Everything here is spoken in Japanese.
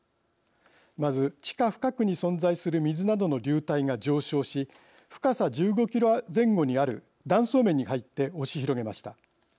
まず地下深くに存在する水などの流体が上昇し深さ１５キロ前後にある断層面に入って押し広げました。